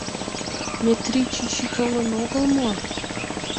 Метри чӱчӱ толын огыл мо?